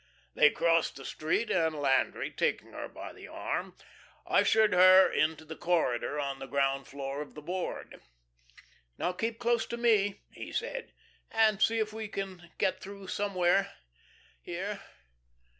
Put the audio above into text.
They crossed the street, and Landry, taking her by the arm, ushered her into the corridor on the ground floor of the Board. "Now, keep close to me," he said, "and see if we can get through somewhere here."